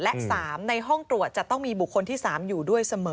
และ๓ในห้องตรวจจะต้องมีบุคคลที่๓อยู่ด้วยเสมอ